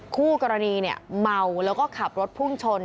คู่กรณีเมาแล้วก็ขับรถพุ่งชน